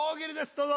どうぞ。